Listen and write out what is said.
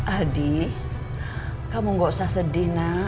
aldi kamu tidak usah sedih nak